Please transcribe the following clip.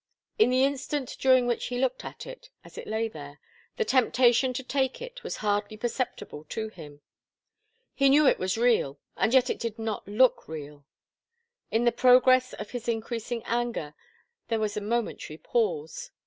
In the instant during which he looked at it, as it lay there, the temptation to take it was hardly perceptible to him. He knew it was real, and yet it did not look real. In the progress of his increasing anger there was a momentary pause.